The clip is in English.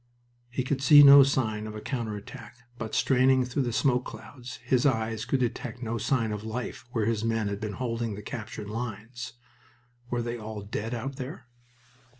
He could see no sign of a counter attack, but, straining through the smoke clouds, his eyes could detect no sign of life where his men had been holding the captured lines. Were they all dead out there?